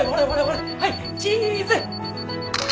笑えはいチーズ。